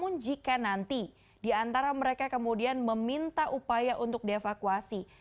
namun jika nanti di antara mereka kemudian meminta upaya untuk dievakuasi